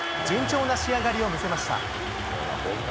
順調な仕上がりを見せました。